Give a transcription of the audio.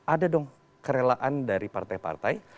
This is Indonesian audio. ada dong kerelaan dari partai partai